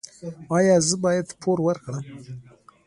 ایا زه باید پور ورکړم؟